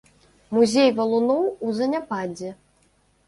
Музей валуноў у заняпадзе.